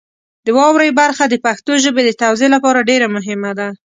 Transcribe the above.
د واورئ برخه د پښتو ژبې د توزیع لپاره ډېره مهمه ده.